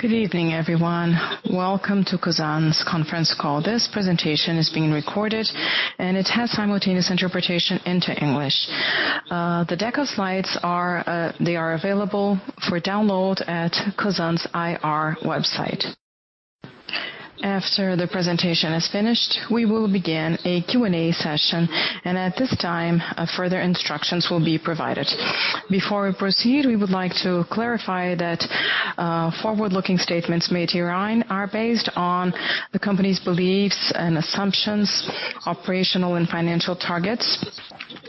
Good evening, everyone. Welcome to Cosan's conference call. This presentation is being recorded, and it has simultaneous interpretation into English. The deck of slides are available for download at Cosan's IR website. After the presentation is finished, we will begin a Q&A session, and at this time, further instructions will be provided. Before we proceed, we would like to clarify that forward-looking statements made herein are based on the company's beliefs and assumptions, operational and financial targets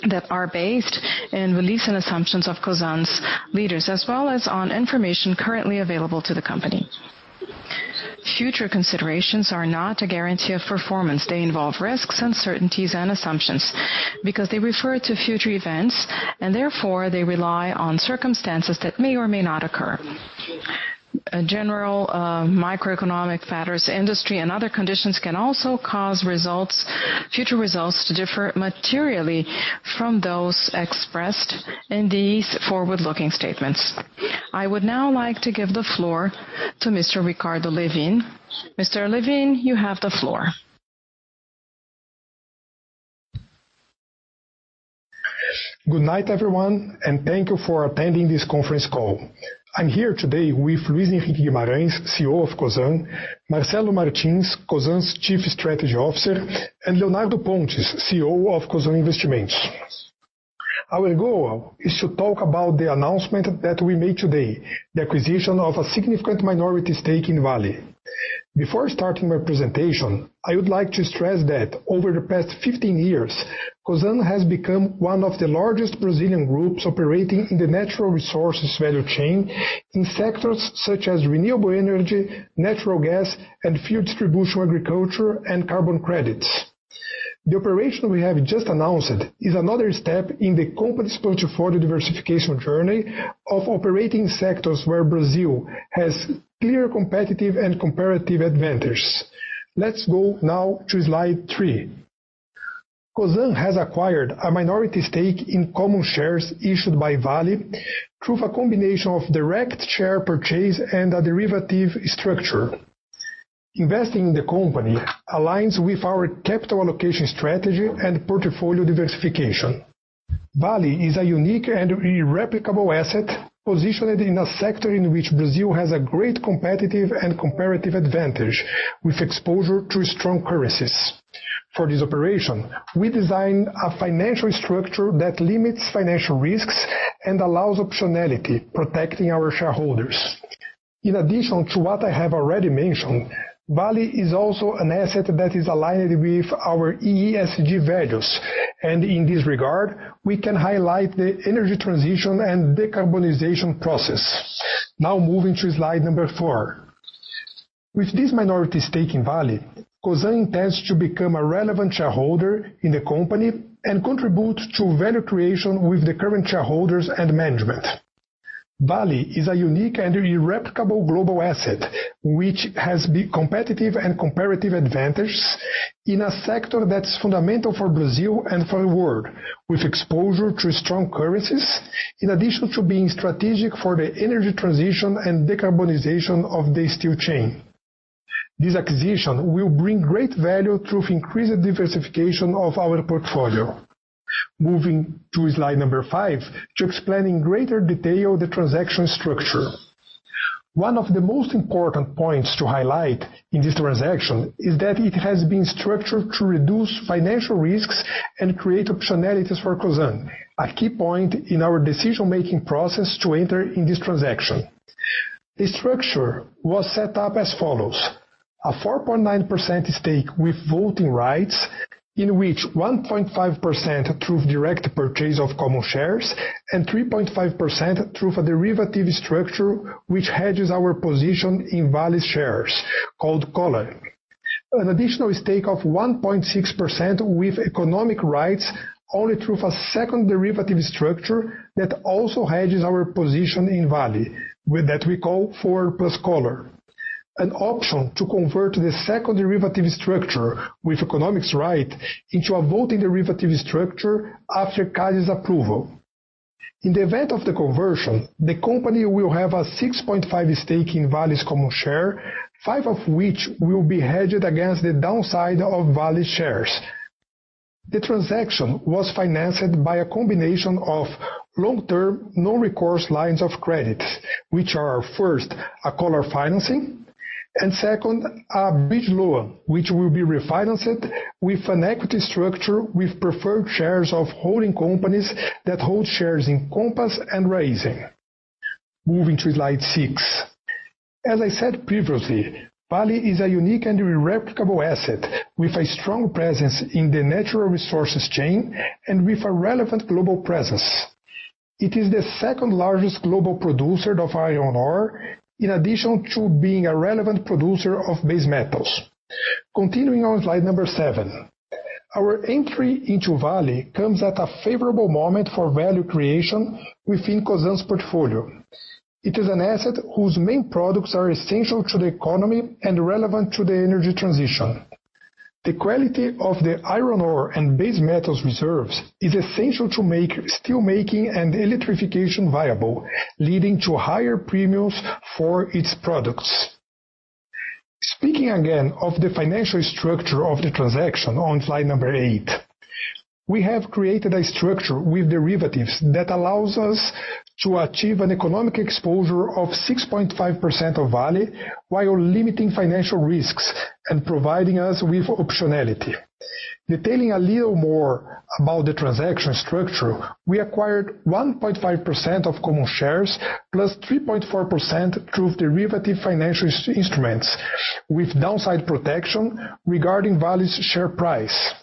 that are based in beliefs and assumptions of Cosan's leaders, as well as on information currently available to the company. Future considerations are not a guarantee of performance. They involve risks, uncertainties, and assumptions because they refer to future events, and therefore, they rely on circumstances that may or may not occur. General macroeconomic factors, industry, and other conditions can also cause results, future results to differ materially from those expressed in these forward-looking statements. I would now like to give the floor to Mr. Ricardo Lewin. Mr. Lewin, you have the floor. Good night, everyone, and thank you for attending this conference call. I'm here today with Luis Henrique Guimarães, CEO of Cosan, Marcelo Martins, Cosan's Chief Strategy Officer, and Leonardo Pontes, CEO of Cosan Investimentos. Our goal is to talk about the announcement that we made today, the acquisition of a significant minority stake in Vale. Before starting my presentation, I would like to stress that over the past 15 years, Cosan has become one of the largest Brazilian groups operating in the natural resources value chain in sectors such as renewable energy, natural gas, and fuel distribution, agriculture, and carbon credits. The operation we have just announced is another step in the company's portfolio diversification journey of operating sectors where Brazil has clear competitive and comparative advantage. Let's go now to slide 3. Cosan has acquired a minority stake in common shares issued by Vale through a combination of direct share purchase and a derivative structure. Investing in the company aligns with our capital allocation strategy and portfolio diversification. Vale is a unique and irreplicable asset positioned in a sector in which Brazil has a great competitive and comparative advantage with exposure to strong currencies. For this operation, we designed a financial structure that limits financial risks and allows optionality, protecting our shareholders. In addition to what I have already mentioned, Vale is also an asset that is aligned with our ESG values. In this regard, we can highlight the energy transition and decarbonization process. Now moving to slide number four. With this minority stake in Vale, Cosan intends to become a relevant shareholder in the company and contribute to value creation with the current shareholders and management. Vale is a unique and irreplicable global asset, which has big competitive and comparative advantage in a sector that's fundamental for Brazil and for the world, with exposure to strong currencies, in addition to being strategic for the energy transition and decarbonization of the steel chain. This acquisition will bring great value through increased diversification of our portfolio. Moving to slide number 5 to explain in greater detail the transaction structure. One of the most important points to highlight in this transaction is that it has been structured to reduce financial risks and create optionalities for Cosan, a key point in our decision-making process to enter in this transaction The structure was set up as follows: a 4.9% stake with voting rights in which 1.5% through direct purchase of common shares and 3.5% through a derivative structure which hedges our position in Vale's shares called collar. An additional stake of 1.6% with economic rights only through a second derivative structure that also hedges our position in Vale with that we call four-plus collar. An option to convert the second derivative structure with economic rights into a voting derivative structure after CADE's approval. In the event of the conversion, the company will have a 6.5% stake in Vale's common share, 5% of which will be hedged against the downside of Vale's shares. The transaction was financed by a combination of long-term, non-recourse lines of credit, which are, first, a collar financing, and second, a bridge loan, which will be refinanced with an equity structure with preferred shares of holding companies that hold shares in Compass and Raízen. Moving to slide 6. As I said previously, Vale is a unique and irreplaceable asset with a strong presence in the natural resources chain and with a relevant global presence. It is the second largest global producer of iron ore, in addition to being a relevant producer of base metals. Continuing on slide number 7. Our entry into Vale comes at a favorable moment for value creation within Cosan's portfolio. It is an asset whose main products are essential to the economy and relevant to the energy transition. The quality of the iron ore and base metals reserves is essential to make steel making and electrification viable, leading to higher premiums for its products. Speaking again of the financial structure of the transaction on slide 8, we have created a structure with derivatives that allows us to achieve an economic exposure of 6.5% of Vale, while limiting financial risks and providing us with optionality. Detailing a little more about the transaction structure, we acquired 1.5% of common shares, +3.4% through derivative financial instruments, with downside protection regarding Vale's share price.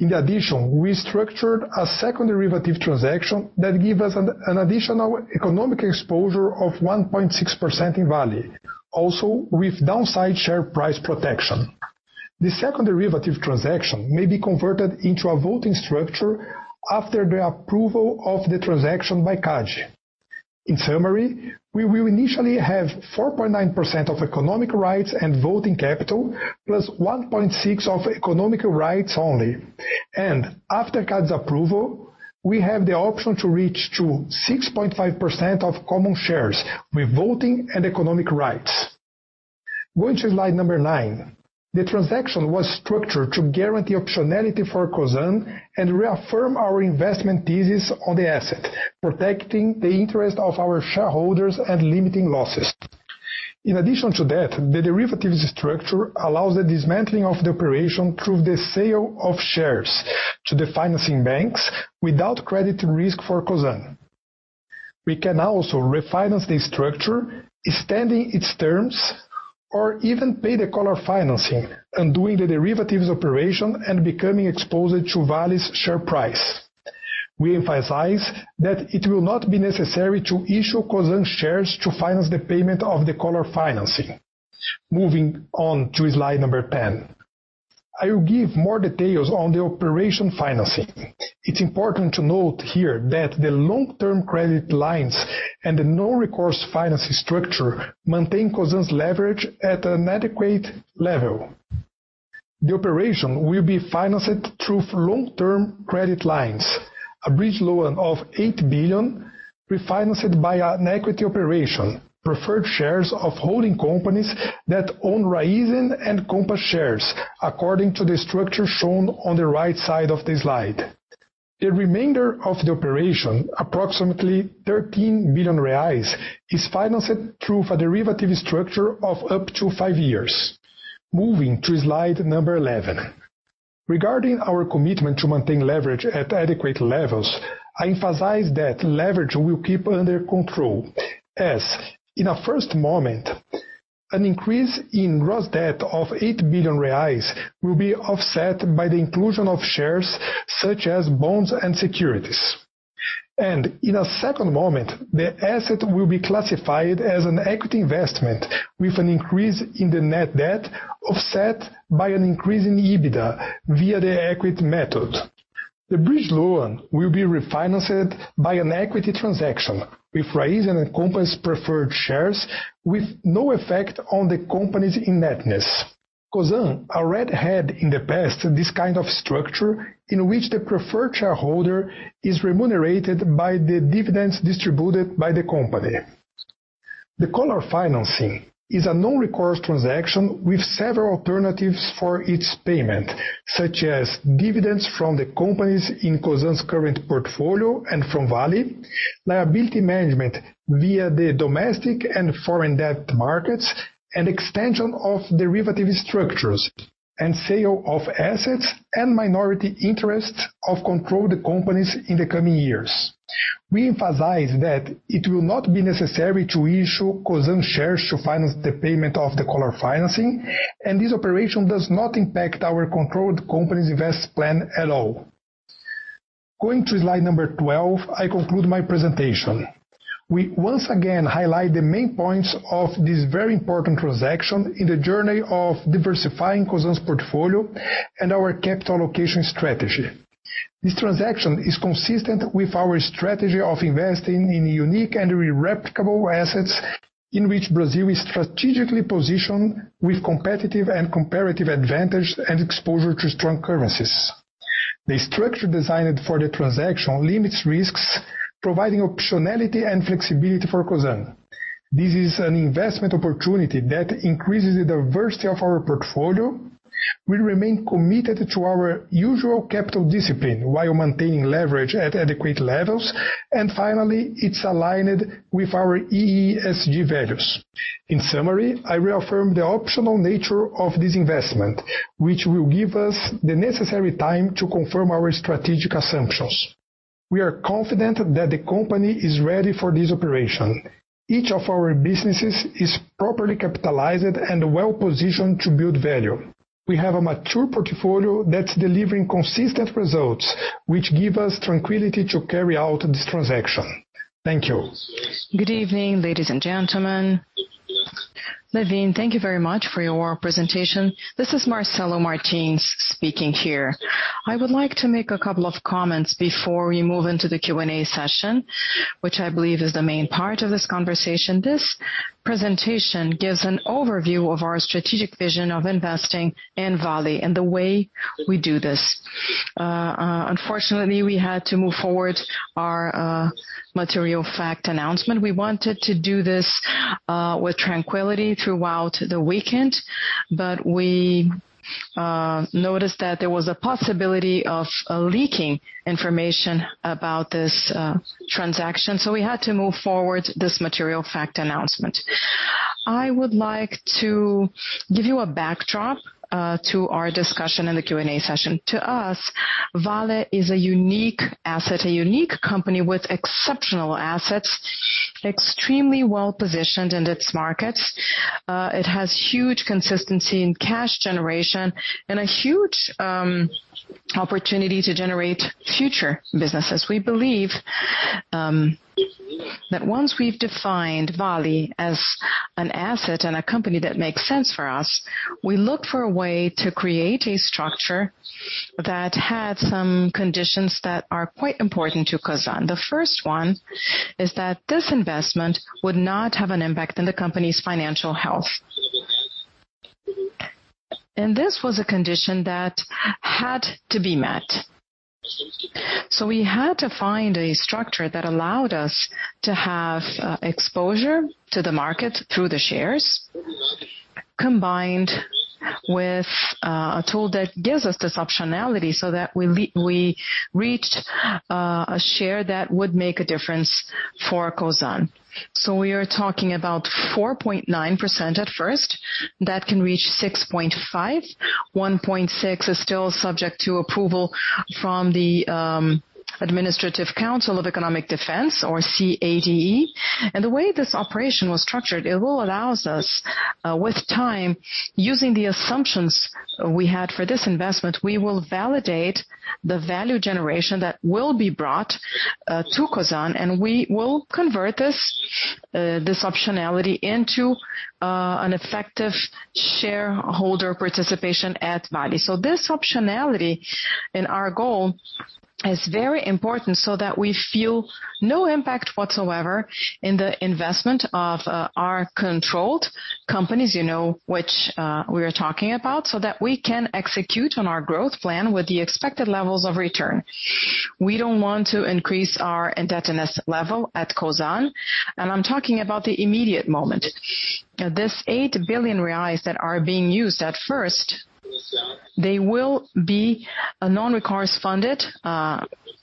In addition, we structured a second derivative transaction that give us an additional economic exposure of 1.6% in Vale, also with downside share price protection The second derivative transaction may be converted into a voting structure after the approval of the transaction by CADE. In summary, we will initially have 4.9% of economic rights and voting capital, +1.6 of economic rights only. After CADE's approval, we have the option to reach to 6.5% of common shares with voting and economic rights. Going to slide number 9. The transaction was structured to guarantee optionality for Cosan and reaffirm our investment thesis on the asset, protecting the interest of our shareholders and limiting losses. In addition to that, the derivatives structure allows the dismantling of the operation through the sale of shares to the financing banks without credit risk for Cosan. We can also refinance the structure, extending its terms or even pay the collar financing, and doing the derivatives operation and becoming exposed to Vale's share price. We emphasize that it will not be necessary to issue Cosan shares to finance the payment of the collar financing. Moving on to slide number 10. I will give more details on the operation financing. It's important to note here that the long-term credit lines and the non-recourse finance structure maintain Cosan's leverage at an adequate level. The operation will be financed through long-term credit lines, a bridge loan of 8 billion, refinanced by an equity operation, preferred shares of holding companies that own Raízen and Compass shares according to the structure shown on the right side of the slide. The remainder of the operation, approximately 13 billion reais, is financed through a derivative structure of up to five years. Moving to slide number 11. Regarding our commitment to maintain leverage at adequate levels, I emphasize that leverage will keep under control, as in a first moment, an increase in gross debt of 8 billion reais will be offset by the inclusion of shares such as bonds and securities. In a second moment, the asset will be classified as an equity investment with an increase in the net debt offset by an increase in EBITDA via the equity method. The bridge loan will be refinanced by an equity transaction with Raízen and Compass preferred shares with no effect on the company's indebtedness. Cosan already had in the past this kind of structure in which the preferred shareholder is remunerated by the dividends distributed by the company. The collar financing is a non-recourse transaction with several alternatives for its payment, such as dividends from the companies in Cosan's current portfolio and from Vale, liability management via the domestic and foreign debt markets, and extension of derivative structures, and sale of assets and minority interests of controlled companies in the coming years. We emphasize that it will not be necessary to issue Cosan shares to finance the payment of the collar financing, and this operation does not impact our controlled companies' investment plan at all. Going to slide number 12, I conclude my presentation. We once again highlight the main points of this very important transaction in the journey of diversifying Cosan's portfolio and our capital allocation strategy. This transaction is consistent with our strategy of investing in unique and irreplaceable assets in which Brazil is strategically positioned with competitive and comparative advantage and exposure to strong currencies. The structure designed for the transaction limits risks, providing optionality and flexibility for Cosan. This is an investment opportunity that increases the diversity of our portfolio. We remain committed to our usual capital discipline while maintaining leverage at adequate levels. Finally, it's aligned with our ESG values. In summary, I reaffirm the optional nature of this investment, which will give us the necessary time to confirm our strategic assumptions. We are confident that the company is ready for this operation. Each of our businesses is properly capitalized and well-positioned to build value. We have a mature portfolio that's delivering consistent results, which give us tranquility to carry out this transaction. Thank you. Good evening, ladies and gentlemen. Lewin, thank you very much for your presentation. This is Marcelo Martins speaking here. I would like to make a couple of comments before we move into the Q&A session, which I believe is the main part of this conversation. This presentation gives an overview of our strategic vision of investing in Vale and the way we do this. Unfortunately, we had to move forward our material fact announcement. We wanted to do this with tranquility throughout the weekend, but we noticed that there was a possibility of leaking information about this transaction, so we had to move forward this material fact announcement. I would like to give you a backdrop to our discussion in the Q&A session. To us, Vale is a unique asset, a unique company with exceptional assets, extremely well-positioned in its markets. It has huge consistency in cash generation and a huge opportunity to generate future businesses. We believe that once we've defined Vale as an asset and a company that makes sense for us, we look for a way to create a structure that had some conditions that are quite important to Cosan. The first one is that this investment would not have an impact in the company's financial health. This was a condition that had to be met. We had to find a structure that allowed us to have exposure to the market through the shares, combined with a tool that gives us this optionality so that we reached a share that would make a difference for Cosan. We are talking about 4.9% at first. That can reach 6.5%. 1.6 is still subject to approval from the Administrative Council of Economic Defense or CADE. The way this operation was structured, it will allows us with time, using the assumptions we had for this investment, we will validate the value generation that will be brought to Cosan, and we will convert this this optionality into an effective shareholder participation at Vale. This optionality and our goal is very important so that we feel no impact whatsoever in the investment of our controlled companies, you know, which we are talking about, so that we can execute on our growth plan with the expected levels of return. We don't want to increase our indebtedness level at Cosan, and I'm talking about the immediate moment. These 8 billion reais that are being used at first, they will be non-recourse funded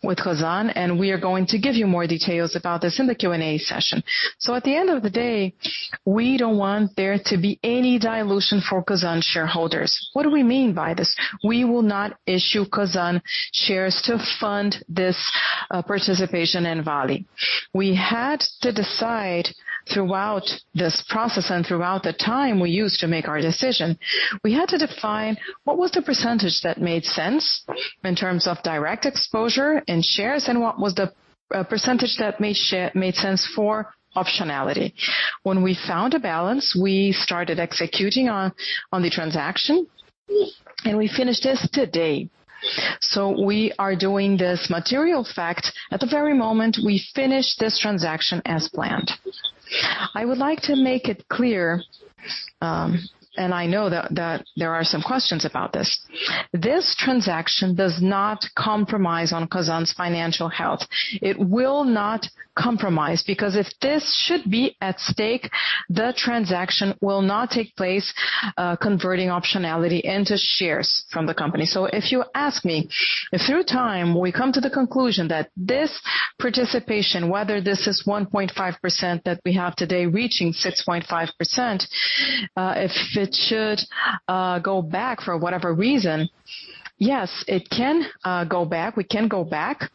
with Cosan, and we are going to give you more details about this in the Q&A session. At the end of the day, we don't want there to be any dilution for Cosan shareholders. What do we mean by this? We will not issue Cosan shares to fund this participation in Vale. We had to decide throughout this process and throughout the time we used to make our decision, we had to define what was the percentage that made sense in terms of direct exposure in shares, and what was the percentage that made sense for optionality. When we found a balance, we started executing on the transaction, and we finished this today. We are doing this material fact at the very moment we finish this transaction as planned. I would like to make it clear, and I know that there are some questions about this. This transaction does not compromise on Cosan's financial health. It will not compromise because if this should be at stake, the transaction will not take place, converting optionality into shares from the company. If you ask me, if through time, we come to the conclusion that this participation, whether this is 1.5% that we have today reaching 6.5%, if it should go back for whatever reason, yes, it can go back. We can go back.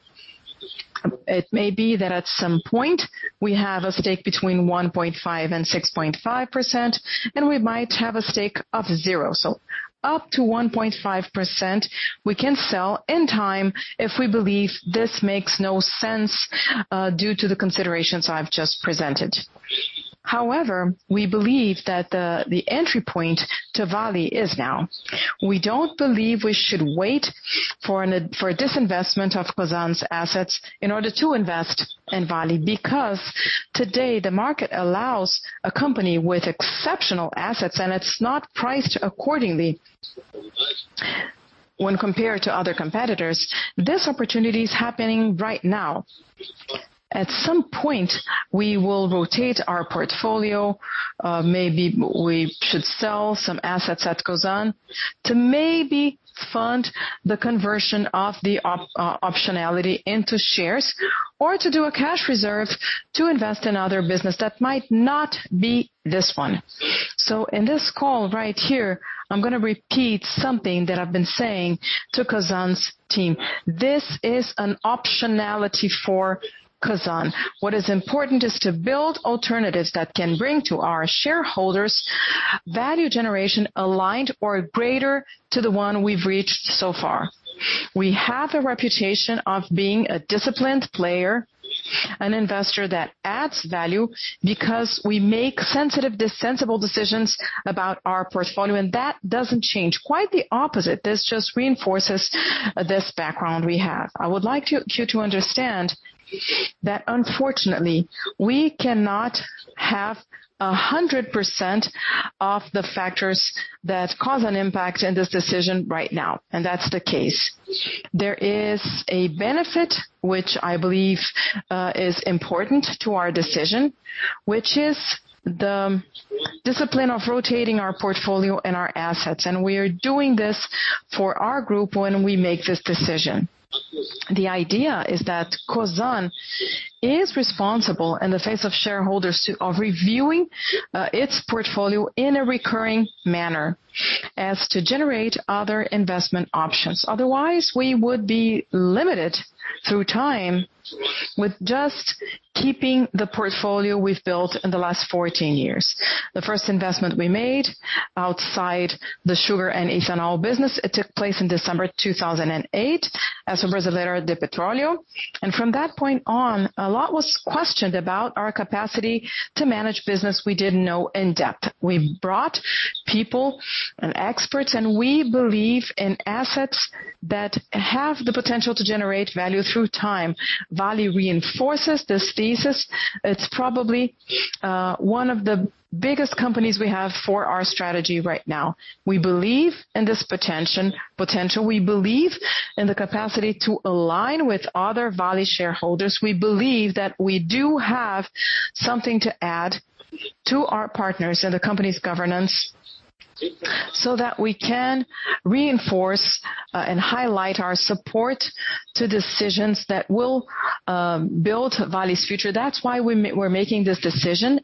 It may be that at some point we have a stake between 1.5% and 6.5%, and we might have a stake of 0. Up to 1.5% we can sell in time if we believe this makes no sense, due to the considerations I've just presented. However, we believe that the entry point to Vale is now. We don't believe we should wait for disinvestment of Cosan's assets in order to invest in Vale, because today the market allows a company with exceptional assets, and it's not priced accordingly when compared to other competitors. This opportunity is happening right now. At some point, we will rotate our portfolio. Maybe we should sell some assets at Cosan to maybe fund the conversion of the optionality into shares or to do a cash reserve to invest in other business that might not be this one. In this call right here, I'm gonna repeat something that I've been saying to Cosan's team. This is an optionality for Cosan. What is important is to build alternatives that can bring to our shareholders value generation aligned or greater to the one we've reached so far. We have a reputation of being a disciplined player, an investor that adds value because we make sensible decisions about our portfolio, and that doesn't change. Quite the opposite. This just reinforces this background we have. I would like you to understand that unfortunately we cannot have a hundred percent of the factors that cause an impact in this decision right now, and that's the case. There is a benefit which I believe is important to our decision, which is the discipline of rotating our portfolio and our assets. We are doing this for our group when we make this decision. The idea is that Cosan is responsible in the face of shareholders to. Of reviewing its portfolio in a recurring manner as to generate other investment options. Otherwise we would be limited through time with just keeping the portfolio we've built in the last 14 years. The first investment we made outside the sugar and ethanol business, it took place in December 2008 as a result of Esso Brasileira de Petróleo. From that point on, a lot was questioned about our capacity to manage business we didn't know in depth. We brought people and experts, and we believe in assets that have the potential to generate value through time. Vale reinforces this thesis. It's probably one of the biggest companies we have for our strategy right now. We believe in this potential. We believe in the capacity to align with other Vale shareholders. We believe that we do have something to add to our partners and the company's governance so that we can reinforce and highlight our support to decisions that will build Vale's future. That's why we're making this decision.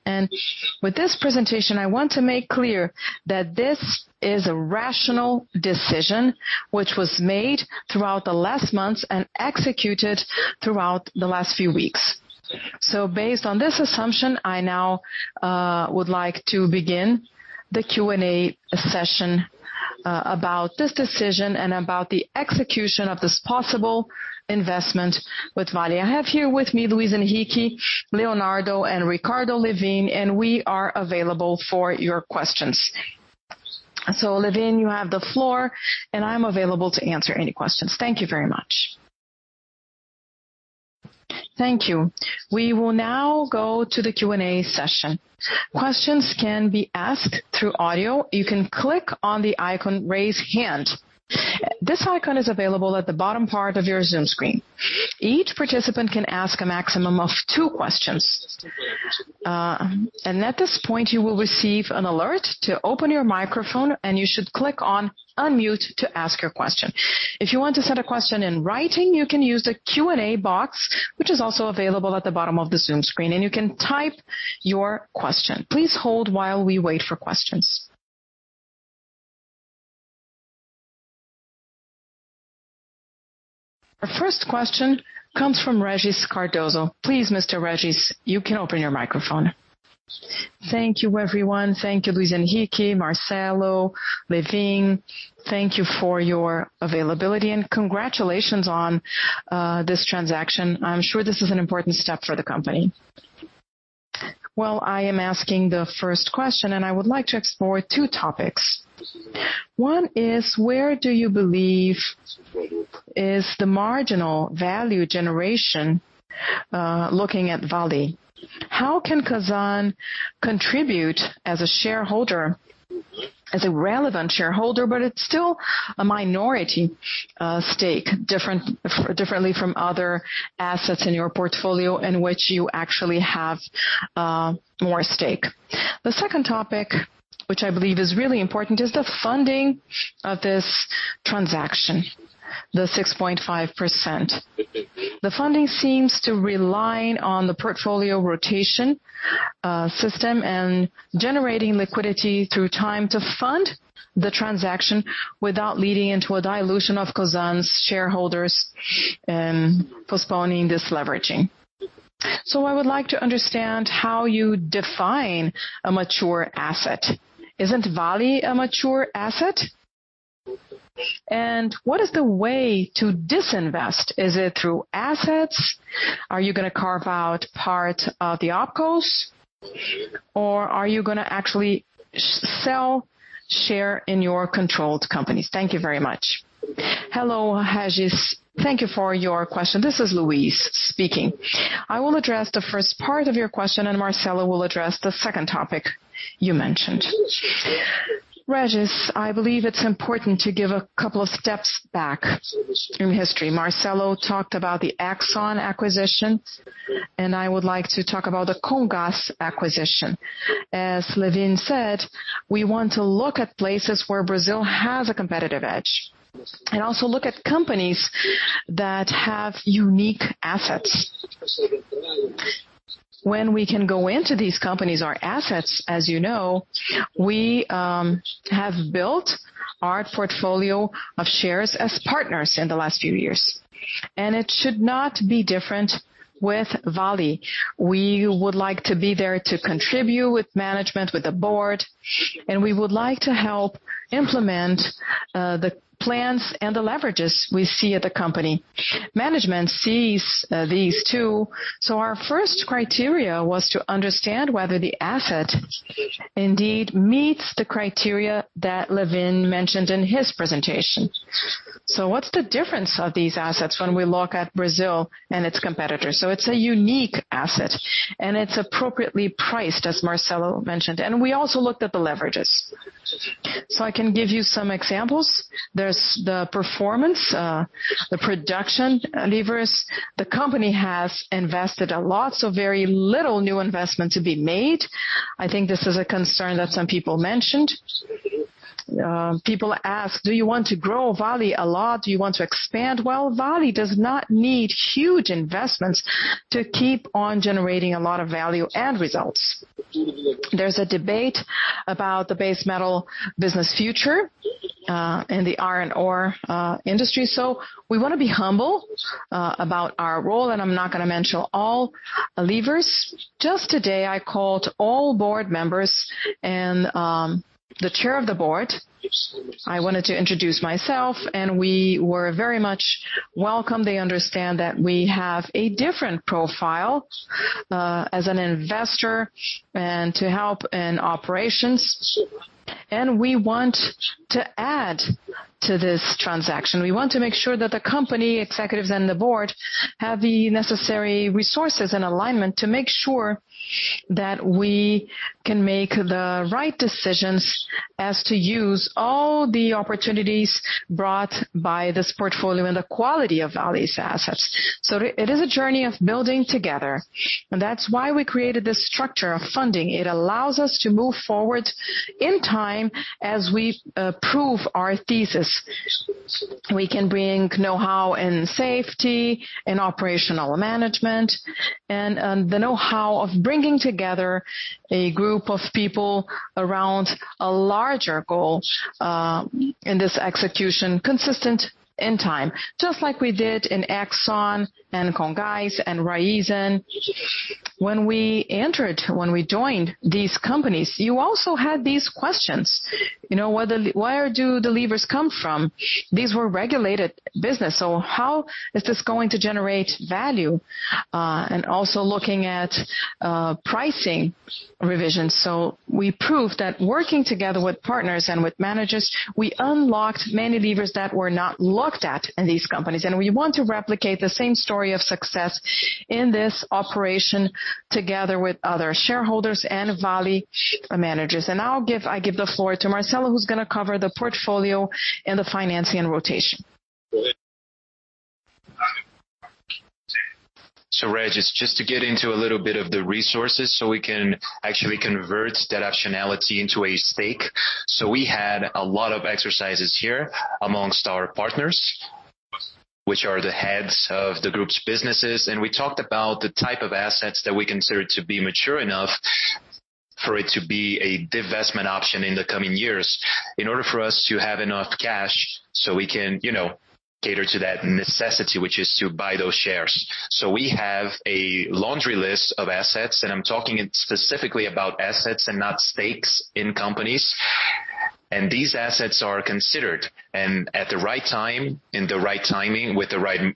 With this presentation I want to make clear that this is a rational decision which was made throughout the last months and executed throughout the last few weeks. Based on this assumption, I now would like to begin the Q&A session about this decision and about the execution of this possible investment with Vale. I have here with me Luis Henrique, Leonardo Pontes, and Ricardo Lewin, and we are available for your questions. Lewin, you have the floor, and I'm available to answer any questions. Thank you very much. Thank you. We will now go to the Q&A session. Questions can be asked through audio. You can click on the icon Raise Hand. This icon is available at the bottom part of your Zoom screen. Each participant can ask a maximum of two questions. At this point you will receive an alert to open your microphone and you should click on Unmute to ask your question. If you want to send a question in writing you can use the Q&A box, which is also available at the bottom of the Zoom screen, and you can type your question. Please hold while we wait for questions. Our first question comes from Regis Cardoso. Please Mr. Regis, you can open your microphone. Thank you everyone. Thank you Luis Henrique, Marcelo, Lewin. Thank you for your availability and congratulations on this transaction. I'm sure this is an important step for the company. Well, I am asking the first question, and I would like to explore two topics. One is, where do you believe is the marginal value generation, looking at Vale? How can Cosan contribute as a shareholder, as a relevant shareholder, but it's still a minority stake, differently from other assets in your portfolio in which you actually have more stake. The second topic, which I believe is really important, is the funding of this transaction, the 6.5%. The funding seems to rely on the portfolio rotation system and generating liquidity through time to fund the transaction without leading into a dilution of Cosan's shareholders and postponing this leveraging. I would like to understand how you define a mature asset. Isn't Vale a mature asset? And what is the way to disinvest? Is it through assets? Are you gonna carve out part of the OpCos or are you gonna actually sell share in your controlled companies? Thank you very much. Hello, Regis. Thank you for your question. This is Luis speaking. I will address the first part of your question and Marcelo will address the second topic you mentioned. Regis, I believe it's important to give a couple of steps back through history. Marcelo talked about the Exxon acquisition, and I would like to talk about the Comgás acquisition. As Lewin said, we want to look at places where Brazil has a competitive edge, and also look at companies that have unique assets. When we can go into these companies or assets, as you know, we have built our portfolio of shares as partners in the last few years. It should not be different with Vale. We would like to be there to contribute with management, with the board, and we would like to help implement, the plans and the leverages we see at the company. Management sees, these two. Our first criteria was to understand whether the asset indeed meets the criteria that Lewin mentioned in his presentation. What's the difference of these assets when we look at Brazil and its competitors? It's a unique asset, and it's appropriately priced, as Marcelo mentioned. We also looked at the leverages. I can give you some examples. There's the performance, the production levers. The company has invested a lot, so very little new investment to be made. I think this is a concern that some people mentioned. People ask, "Do you want to grow Vale a lot? Do you want to expand?" Well, Vale does not need huge investments to keep on generating a lot of value and results. There's a debate about the base metal business future in the iron ore industry. We wanna be humble about our role, and I'm not gonna mention all levers. Just today, I called all board members and the chair of the board. I wanted to introduce myself, and we were very much welcome. They understand that we have a different profile as an investor and to help in operations. We want to add to this transaction. We want to make sure that the company executives and the board have the necessary resources and alignment to make sure that we can make the right decisions as to use all the opportunities brought by this portfolio and the quality of Vale's assets. It is a journey of building together, and that's why we created this structure of funding. It allows us to move forward in time as we prove our thesis. We can bring know-how in safety, in operational management, and the know-how of bringing together a group of people around a larger goal in this execution, consistent in time. Just like we did in Esso and Comgás and Raízen. When we entered, when we joined these companies, you also had these questions. You know, where do the levers come from? These were regulated business, so how is this going to generate value? And also looking at pricing revisions. We proved that working together with partners and with managers, we unlocked many levers that were not looked at in these companies, and we want to replicate the same story of success in this operation together with other shareholders and Vale managers. I give the floor to Marcelo, who's gonna cover the portfolio and the financing and rotation. Regis, it's just to get into a little bit of the resources so we can actually convert that optionality into a stake. We had a lot of exercises here amongst our partners, which are the heads of the group's businesses. We talked about the type of assets that we consider to be mature enough for it to be a divestment option in the coming years in order for us to have enough cash so we can, you know, cater to that necessity, which is to buy those shares. We have a laundry list of assets, and I'm talking specifically about assets and not stakes in companies. These assets are considered. At the right time, in the right timing,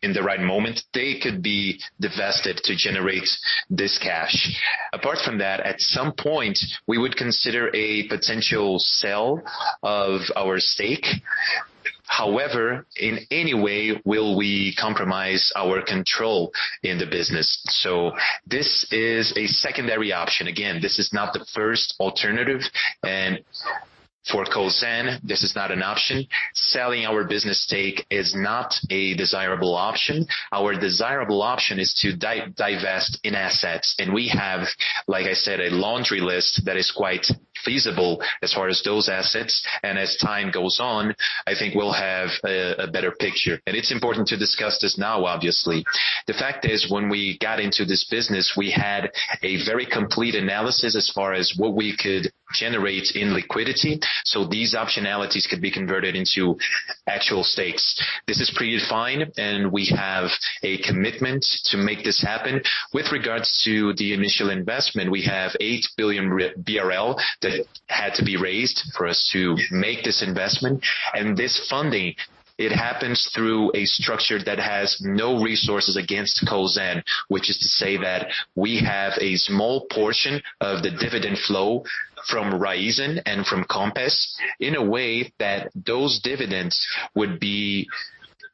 in the right moment, they could be divested to generate this cash. Apart from that, at some point, we would consider a potential sale of our stake. However, in any way will we compromise our control in the business. This is a secondary option. Again, this is not the first alternative, and for Cosan, this is not an option. Selling our business stake is not a desirable option. Our desirable option is to divest in assets. We have, like I said, a laundry list that is quite feasible as far as those assets. As time goes on, I think we'll have a better picture. It's important to discuss this now, obviously. The fact is, when we got into this business, we had a very complete analysis as far as what we could generate in liquidity. These optionalities could be converted into actual stakes. This is pre-defined, and we have a commitment to make this happen. With regards to the initial investment, we have 8 billion BRL that had to be raised for us to make this investment. This funding, it happens through a structure that has no resources against Cosan, which is to say that we have a small portion of the dividend flow from Raízen and from Compass in a way that those dividends would be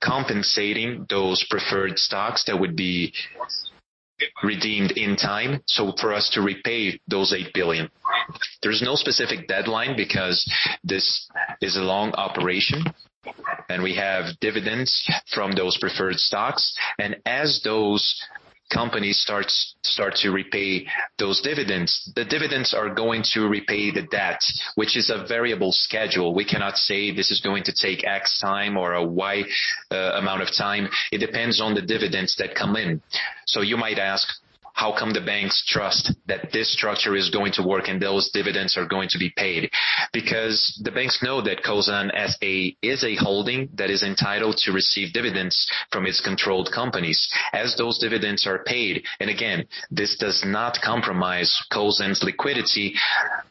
compensating those preferred stocks that would be redeemed in time, so for us to repay those 8 billion. There's no specific deadline because this is a long operation, and we have dividends from those preferred stocks. As those companies start to repay those dividends, the dividends are going to repay the debt, which is a variable schedule. We cannot say this is going to take X time or a Y amount of time. It depends on the dividends that come in. You might ask, how come the banks trust that this structure is going to work and those dividends are going to be paid? The banks know that Cosan is a holding that is entitled to receive dividends from its controlled companies as those dividends are paid. Again, this does not compromise Cosan's liquidity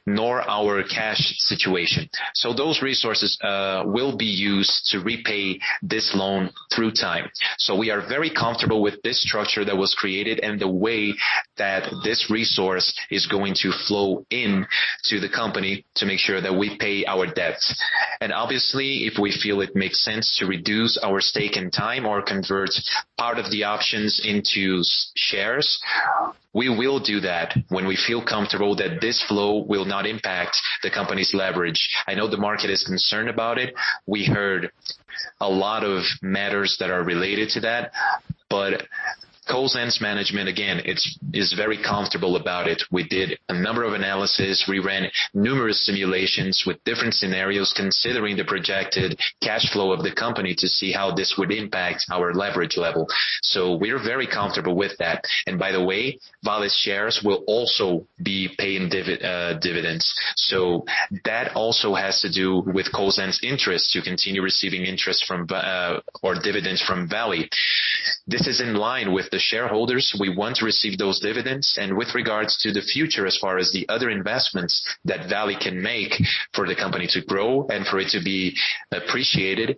nor our cash situation. Those resources will be used to repay this loan through time. We are very comfortable with this structure that was created and the way that this resource is going to flow in to the company to make sure that we pay our debts. Obviously, if we feel it makes sense to reduce our stake in time or convert part of the options into shares, we will do that when we feel comfortable that this flow will not impact the company's leverage. I know the market is concerned about it. We heard a lot of matters that are related to that, but Cosan's management, again, is very comfortable about it. We did a number of analysis. We ran numerous simulations with different scenarios considering the projected cash flow of the company to see how this would impact our leverage level. We're very comfortable with that. By the way, Vale's shares will also be paying dividends. That also has to do with Cosan's interest to continue receiving interest or dividends from Vale. This is in line with the shareholders. We want to receive those dividends. With regards to the future, as far as the other investments that Vale can make for the company to grow and for it to be appreciated,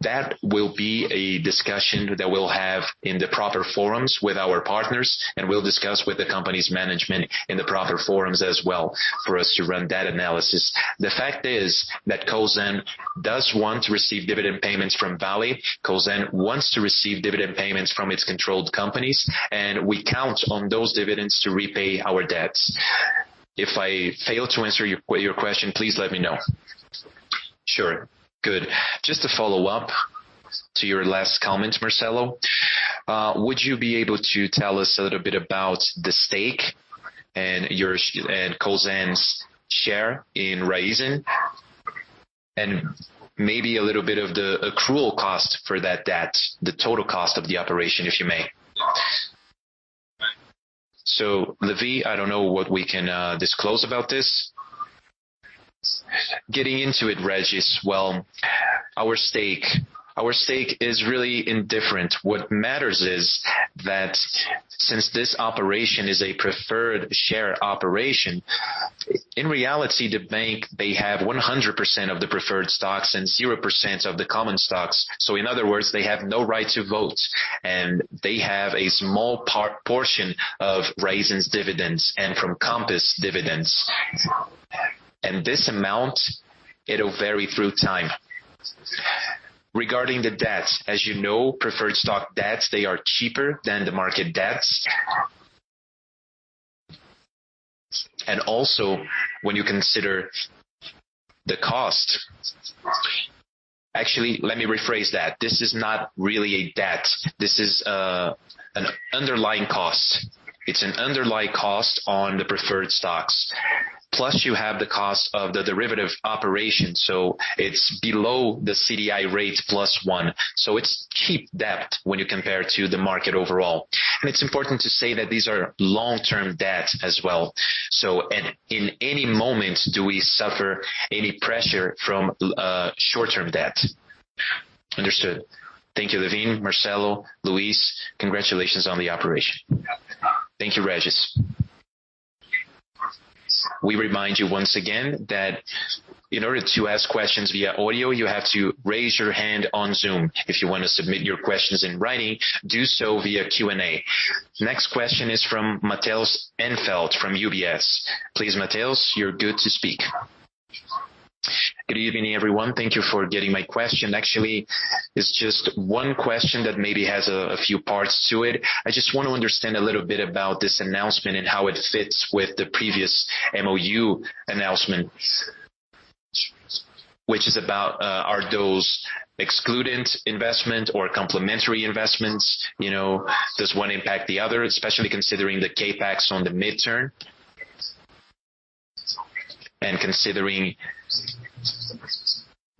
that will be a discussion that we'll have in the proper forums with our partners, and we'll discuss with the company's management in the proper forums as well for us to run that analysis. The fact is that Cosan does want to receive dividend payments from Vale. Cosan wants to receive dividend payments from its controlled companies, and we count on those dividends to repay our debts. If I failed to answer your question, please let me know. Sure. Good. Just to follow up to your last comment, Marcelo, would you be able to tell us a little bit about the stake and Cosan's share in Raízen, and maybe a little bit of the accrual cost for that debt, the total cost of the operation, if you may. So, Lewin, I don't know what we can disclose about this. Getting into it, Regis, well, our stake is really indifferent. What matters is that since this operation is a preferred share operation, in reality, the bank, they have 100% of the preferred stocks and 0% of the common stocks. So in other words, they have no right to vote, and they have a small portion of Raízen's dividends and from Compass dividends. This amount, it'll vary through time. Regarding the debts, as you know, preferred stock debts, they are cheaper than the market debts. Also when you consider the cost. Actually, let me rephrase that. This is not really a debt. This is an underlying cost. It's an underlying cost on the preferred stocks. Plus you have the cost of the derivative operation, so it's below the CDI rate plus one. It's cheap debt when you compare to the market overall. It's important to say that these are long-term debts as well. In any moment, do we suffer any pressure from short-term debt. Understood. Thank you, Lewin, Marcelo, Luis. Congratulations on the operation. Thank you, Regis. We remind you once again that in order to ask questions via audio, you have to raise your hand on Zoom. If you wanna submit your questions in writing, do so via Q&A. Next question is from Matheus Enfeldt from UBS. Please, Matheus, you're good to speak. Good evening, everyone. Thank you for getting my question. Actually, it's just one question that maybe has a few parts to it. I just wanna understand a little bit about this announcement and how it fits with the previous MoU announcement. Which is about, are those excluded investment or complementary investments? You know, does one impact the other, especially considering the CapEx on the mid-term? And considering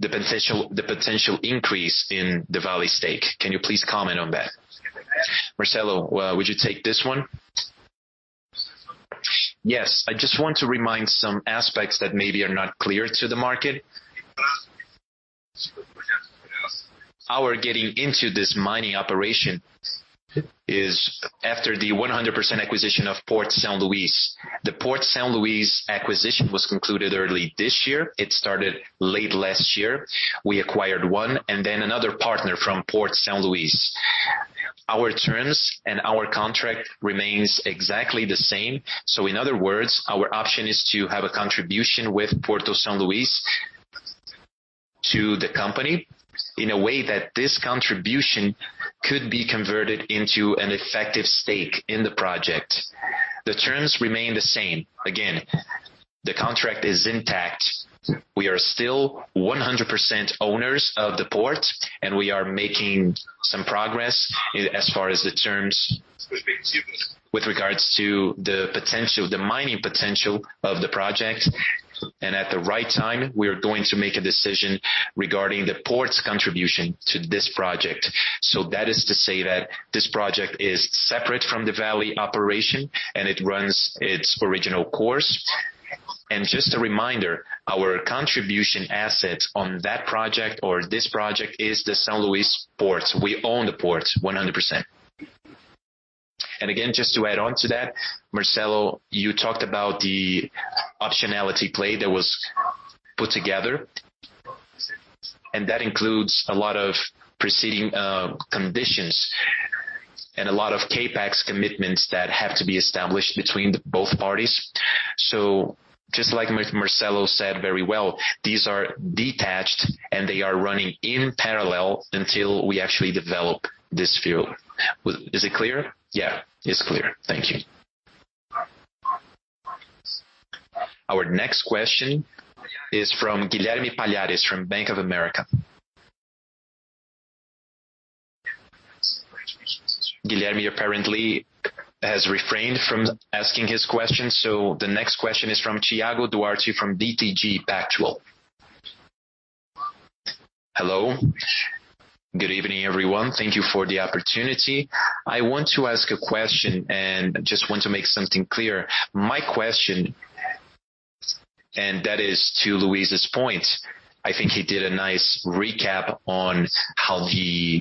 the potential increase in the Vale stake. Can you please comment on that? Marcelo, would you take this one? Yes. I just want to remind some aspects that maybe are not clear to the market. Our getting into this mining operation is after the 100% acquisition of Porto São Luís. The Porto São Luís acquisition was concluded early this year. It started late last year. We acquired one and then another partner from Porto São Luís. Our terms and our contract remains exactly the same. In other words, our option is to have a contribution with Porto São Luís to the company in a way that this contribution could be converted into an effective stake in the project. The terms remain the same. Again, the contract is intact. We are still 100% owners of the port, and we are making some progress as far as the terms with regards to the potential, the mining potential of the project. At the right time, we are going to make a decision regarding the port's contribution to this project. That is to say that this project is separate from the Vale operation, and it runs its original course. Just a reminder, our contribution assets on that project or this project is the Porto São Luís. We own the port 100%. Again, just to add on to that, Marcelo, you talked about the optionality play that was put together, and that includes a lot of precedent conditions and a lot of CapEx commitments that have to be established between both parties. Just like Marcelo said very well, these are detached, and they are running in parallel until we actually develop this field. Is it clear? Yeah, it's clear. Thank you. Our next question is from Guilherme Palhares from Bank of America. Guilherme apparently has refrained from asking his question, so the next question is from Thiago Duarte from BTG Pactual. Hello. Good evening, everyone. Thank you for the opportunity. I want to ask a question and just want to make something clear. My question, and that is to Luis's point, I think he did a nice recap on how the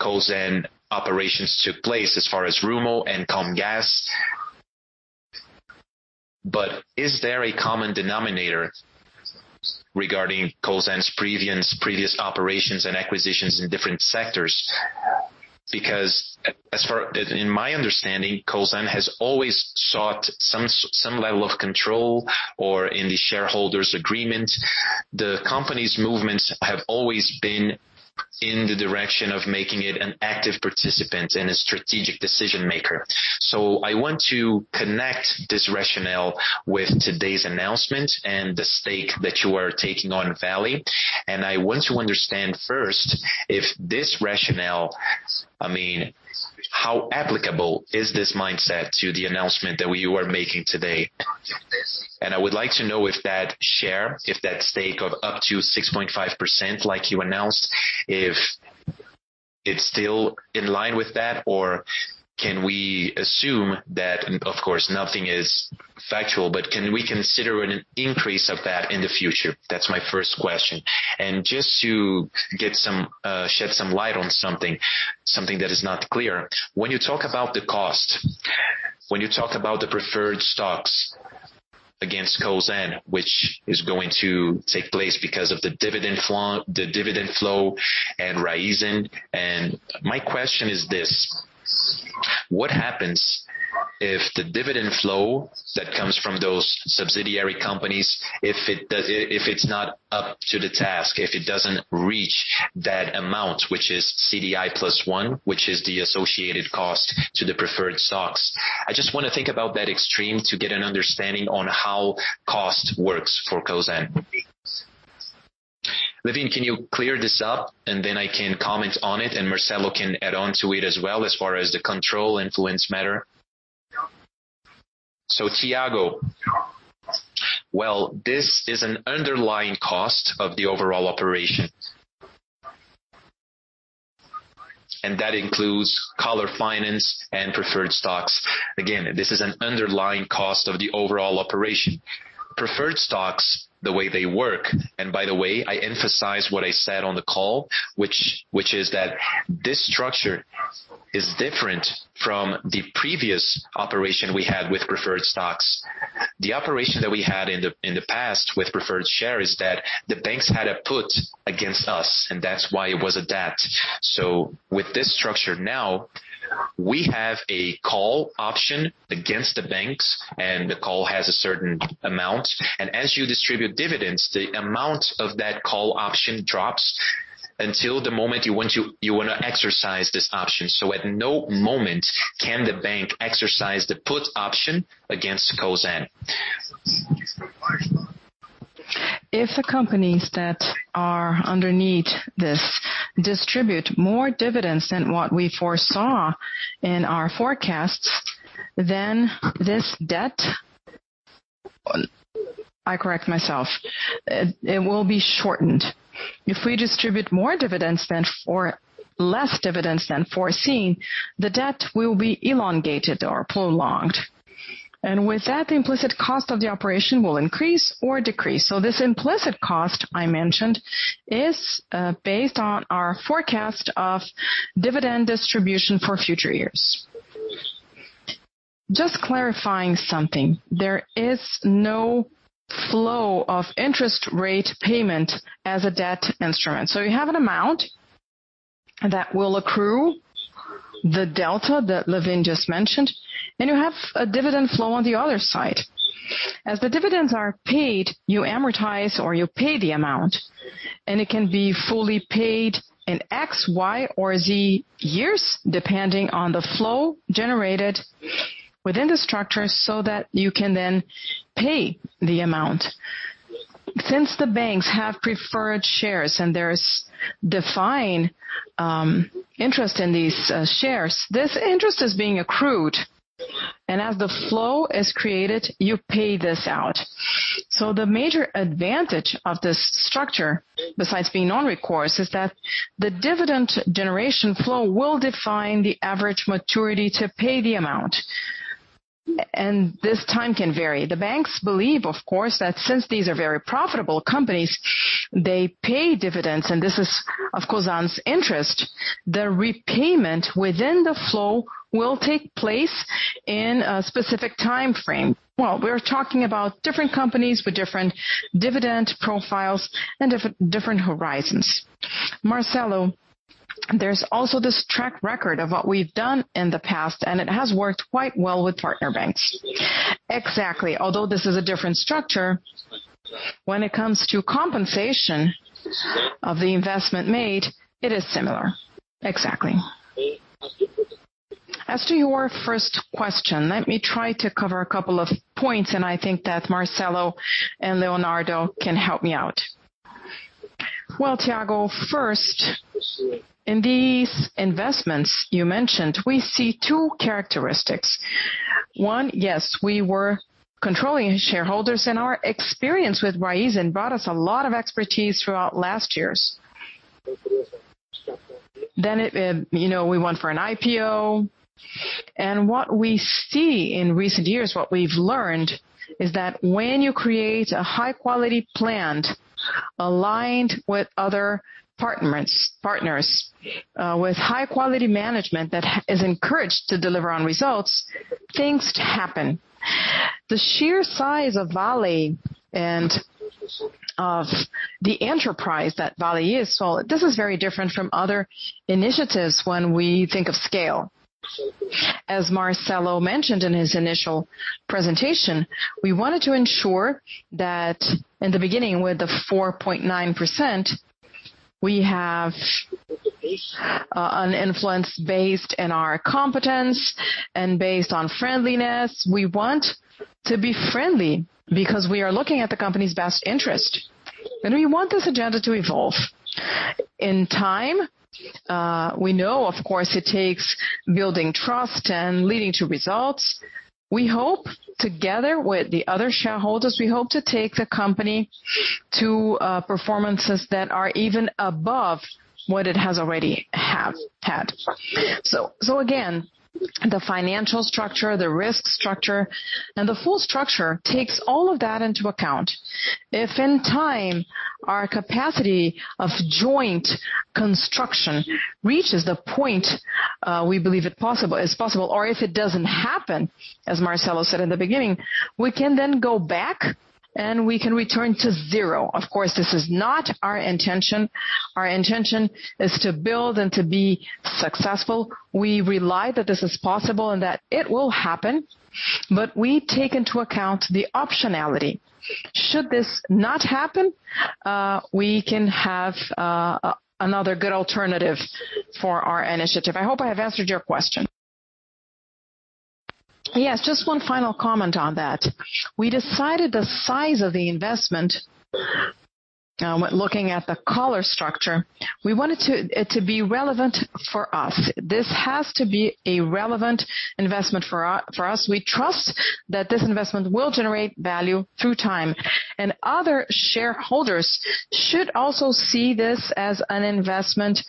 Cosan operations took place as far as Rumo and Comgás. Is there a common denominator regarding Cosan's previous operations and acquisitions in different sectors? Because as far as, in my understanding, Cosan has always sought some level of control or in the shareholders agreement. The company's movements have always been in the direction of making it an active participant and a strategic decision-maker. I want to connect this rationale with today's announcement and the stake that you are taking in Vale. I want to understand first if this rationale, I mean, how applicable is this mindset to the announcement that you are making today? I would like to know if that share, if that stake of up to 6.5% like you announced, if it's still in line with that, or can we assume that, of course, nothing is factual, but can we consider an increase of that in the future? That's my first question. Just to shed some light on something that is not clear. When you talk about the cost, when you talk about the preferred stocks against Cosan, which is going to take place because of the dividend flow and Raízen. My question is this. What happens if the dividend flow that comes from those subsidiary companies, if it's not up to the task, if it doesn't reach that amount, which is CDI plus one, which is the associated cost to the preferred stocks? I just wanna think about that extreme to get an understanding on how cost works for Cosan. Lewin, can you clear this up? I can comment on it, and Marcelo can add on to it as well as far as the control influence matter. Thiago, well, this is an underlying cost of the overall operation. That includes collar financing and preferred stocks. Again, this is an underlying cost of the overall operation. Preferred stocks, the way they work, and by the way, I emphasize what I said on the call, which is that this structure is different from the previous operation we had with preferred stocks. The operation that we had in the past with preferred shares is that the banks had a put against us, and that's why it was a debt. With this structure now, we have a call option against the banks, and the call has a certain amount. As you distribute dividends, the amount of that call option drops until the moment you want to exercise this option. At no moment can the bank exercise the put option against Cosan. If the companies that are underneath this distribute more dividends than what we foresaw in our forecasts, I correct myself. It will be shortened. If we distribute more dividends than, or less dividends than foreseen, the debt will be elongated or prolonged. With that, the implicit cost of the operation will increase or decrease. This implicit cost I mentioned is based on our forecast of dividend distribution for future years. Just clarifying something. There is no flow of interest rate payment as a debt instrument. You have an amount that will accrue the delta that Lewin just mentioned, and you have a dividend flow on the other side. As the dividends are paid, you amortize or you pay the amount, and it can be fully paid in X, Y, or Z years, depending on the flow generated within the structure so that you can then pay the amount. Since the banks have preferred shares and there's defined interest in these shares, this interest is being accrued. As the flow is created, you pay this out. The major advantage of this structure, besides being non-recourse, is that the dividend generation flow will define the average maturity to pay the amount. This time can vary. The banks believe, of course, that since these are very profitable companies, they pay dividends. This is, of course, on interest. The repayment within the flow will take place in a specific time frame. Well, we're talking about different companies with different dividend profiles and different horizons. Marcelo, there's also this track record of what we've done in the past, and it has worked quite well with partner banks. Exactly. Although this is a different structure when it comes to compensation of the investment made, it is similar. Exactly. As to your first question, let me try to cover a couple of points, and I think that Marcelo and Leonardo can help me out. Well, Tiago, first, in these investments you mentioned, we see two characteristics. One, yes, we were controlling shareholders, and our experience with Raízen brought us a lot of expertise throughout last years. It, you know, we went for an IPO. What we see in recent years, what we've learned is that when you create a high-quality plant aligned with other partners with high quality management that is encouraged to deliver on results, things happen. The sheer size of Vale and of the enterprise that Vale is. This is very different from other initiatives when we think of scale. As Marcelo mentioned in his initial presentation, we wanted to ensure that in the beginning, with the 4.9% we have, an influence based in our competence and based on friendliness. We want to be friendly because we are looking at the company's best interest, and we want this agenda to evolve. In time, we know of course it takes building trust and leading to results. We hope together with the other shareholders, we hope to take the company to performances that are even above what it has already had. Again, the financial structure, the risk structure, and the full structure takes all of that into account. If in time our capacity of joint construction reaches the point, we believe is possible or if it doesn't happen, as Marcelo said in the beginning, we can then go back and we can return to zero. Of course, this is not our intention. Our intention is to build and to be successful. We believe that this is possible and that it will happen, but we take into account the optionality. Should this not happen, we can have another good alternative for our initiative. I hope I have answered your question. Yes. Just one final comment on that. We decided the size of the investment looking at the collar structure. We wanted it to be relevant for us. This has to be a relevant investment for us. We trust that this investment will generate value over time. Other shareholders should also see this as an investment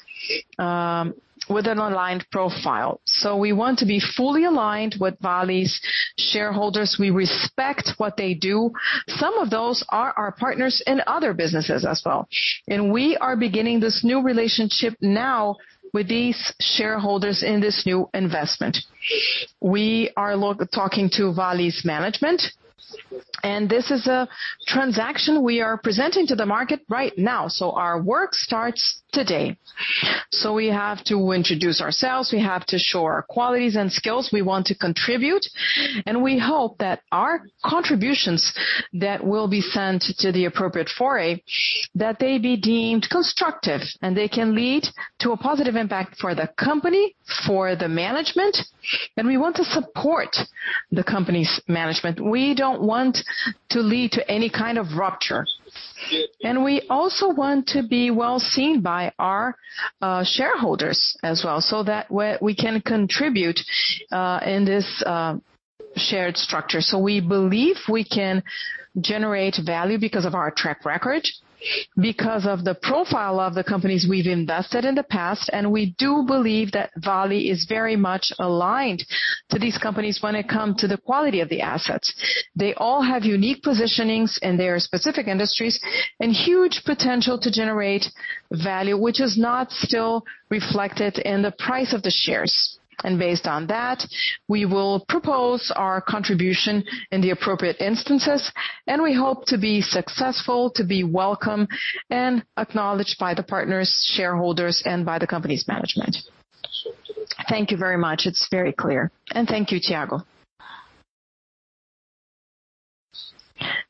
with an aligned profile. We want to be fully aligned with Vale's shareholders. We respect what they do. Some of those are our partners in other businesses as well. We are beginning this new relationship now with these shareholders in this new investment. We are talking to Vale's management, and this is a transaction we are presenting to the market right now. Our work starts today. We have to introduce ourselves, we have to show our qualities and skills. We want to contribute, and we hope that our contributions that will be sent to the appropriate forum, that they be deemed constructive and they can lead to a positive impact for the company, for the management. We want to support the company's management. We don't want to lead to any kind of rupture. We also want to be well seen by our shareholders as well, so that we can contribute in this shared structure. We believe we can generate value because of our track record, because of the profile of the companies we've invested in the past. We do believe that Vale is very much aligned to these companies when it comes to the quality of the assets. They all have unique positionings in their specific industries and huge potential to generate value, which is not still reflected in the price of the shares. Based on that, we will propose our contribution in the appropriate instances, and we hope to be successful, to be welcome and acknowledged by the partners, shareholders, and by the company's management. Thank you very much. It's very clear. Thank you, Tiago.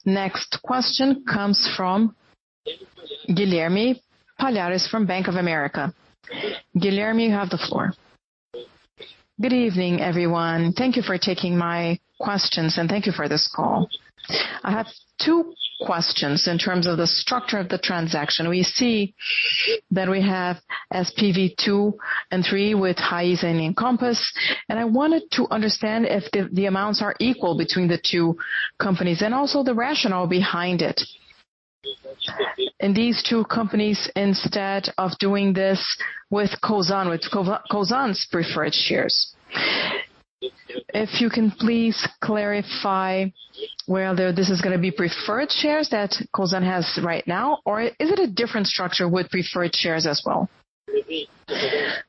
Next question comes from Guilherme Palhares from Bank of America. Guilherme, you have the floor. Good evening, everyone. Thank you for taking my questions and thank you for this call. I have two questions in terms of the structure of the transaction. We see that we have SPV 2 and 3 with Raízen and Compass, and I wanted to understand if the amounts are equal between the two companies and also the rationale behind it. These two companies, instead of doing this with Cosan, with Cosan's preferred shares. If you can please clarify whether this is gonna be preferred shares that Cosan has right now, or is it a different structure with preferred shares as well?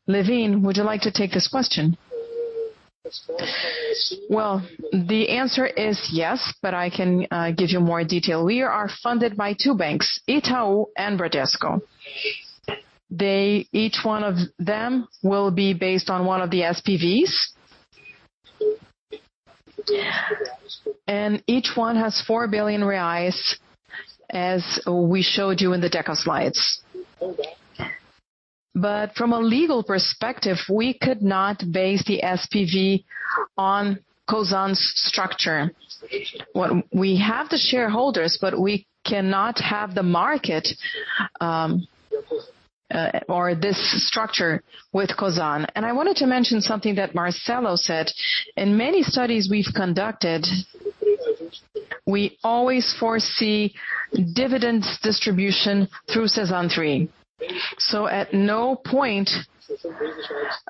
Lewin, would you like to take this question? Well, the answer is yes, but I can give you more detail. We are funded by two banks, Itaú and Bradesco. Each one of them will be based on one of the SPVs. Each one has 4 billion reais, as we showed you in the deck of slides. From a legal perspective, we could not base the SPV on Cosan's structure. We have the shareholders, but we cannot have the market, or this structure with Cosan. I wanted to mention something that Marcelo said. In many studies we've conducted, we always foresee dividends distribution through CSAN3. At no point,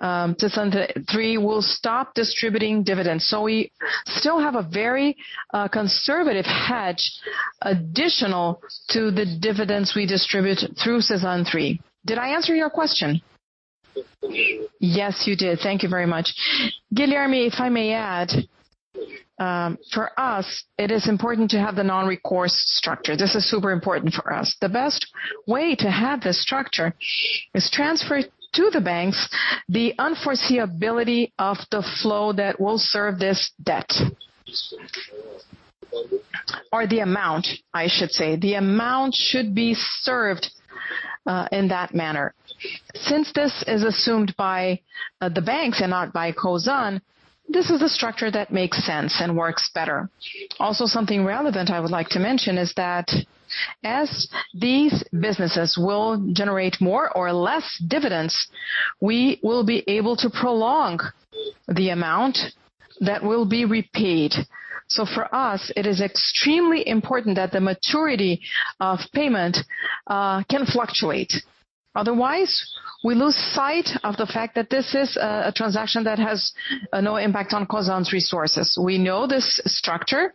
CSAN3 will stop distributing dividends. We still have a very conservative hedge additional to the dividends we distribute through CSAN3. Did I answer your question? Yes, you did. Thank you very much. Guilherme, if I may add, for us, it is important to have the non-recourse structure. This is super important for us. The best way to have this structure is transfer to the banks the unforeseeability of the flow that will serve this debt. Or the amount, I should say. The amount should be served, in that manner. Since this is assumed by the banks and not by Cosan, this is a structure that makes sense and works better. Also, something relevant I would like to mention is that as these businesses will generate more or less dividends, we will be able to prolong the amount that will be repaid. For us, it is extremely important that the maturity of payment can fluctuate. Otherwise, we lose sight of the fact that this is a transaction that has no impact on Cosan's resources. We know this structure.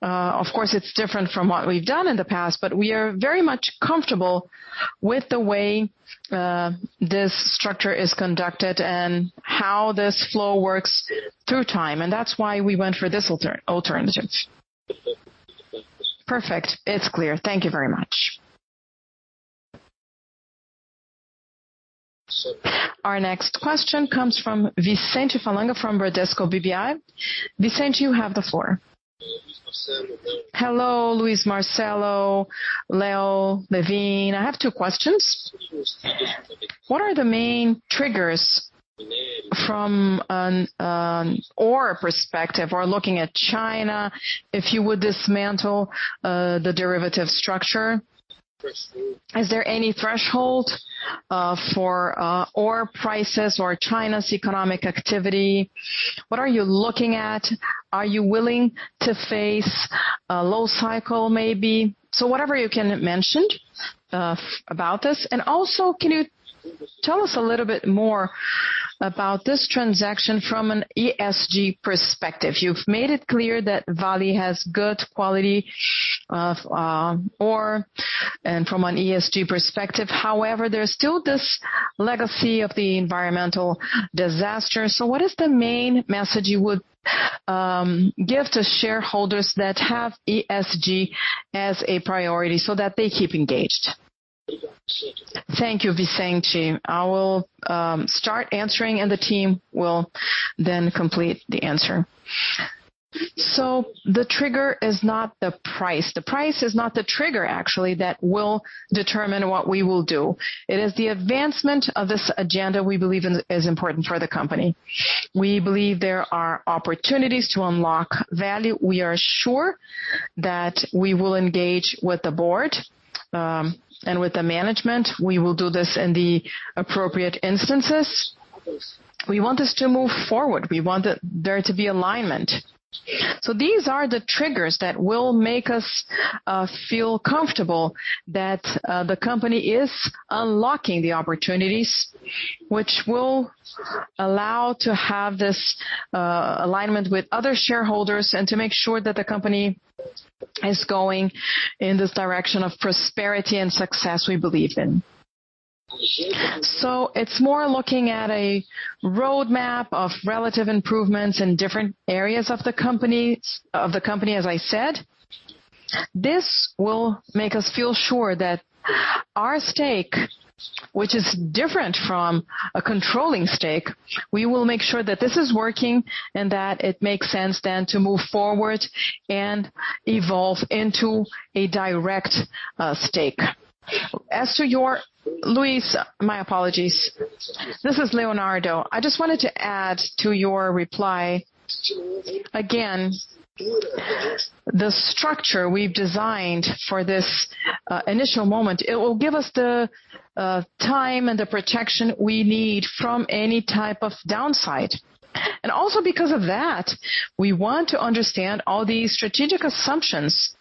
Of course, it's different from what we've done in the past, but we are very much comfortable with the way this structure is conducted and how this flow works through time, and that's why we went for this alternative. Perfect. It's clear. Thank you very much. Our next question comes from Vicente Falanga from Bradesco BBI. Vicente, you have the floor. Hello, Luis, Marcelo, Leo, Lewin. I have two questions. What are the main triggers from an ore perspective or looking at China if you would dismantle the derivative structure? Is there any threshold for ore prices or China's economic activity? What are you looking at? Are you willing to face a low cycle maybe? Whatever you can mention about this. Also, can you tell us a little bit more about this transaction from an ESG perspective? You've made it clear that Vale has good quality of ore and from an ESG perspective. However, there's still this legacy of the environmental disaster. What is the main message you would give to shareholders that have ESG as a priority so that they keep engaged? Thank you, Vicente. I will start answering, and the team will then complete the answer. The trigger is not the price. The price is not the trigger, actually, that will determine what we will do. It is the advancement of this agenda we believe in is important for the company. We believe there are opportunities to unlock value. We are sure that we will engage with the board, and with the management. We will do this in the appropriate instances. We want this to move forward. We want there to be alignment. These are the triggers that will make us feel comfortable that the company is unlocking the opportunities, which will allow to have this alignment with other shareholders and to make sure that the company is going in this direction of prosperity and success we believe in. It's more looking at a roadmap of relative improvements in different areas of the company, as I said. This will make us feel sure that our stake, which is different from a controlling stake, we will make sure that this is working and that it makes sense then to move forward and evolve into a direct stake. As to your Luis, my apologies. This is Leonardo. I just wanted to add to your reply. Again, the structure we've designed for this initial moment, it will give us the time and the protection we need from any type of downside. Also because of that, we want to understand all the strategic assumptions